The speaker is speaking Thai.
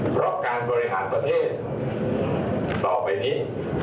เพราะการบริหารประเทศต่อไปนี้